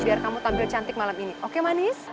biar kamu tampil cantik malam ini oke manis